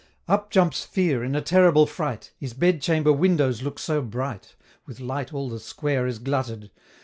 Up jumps Fear in a terrible fright! His bedchamber windows look so bright, With light all the Square is glutted!